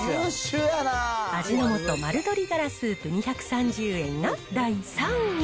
味の素、丸鶏がらスープ２３０円が第３位。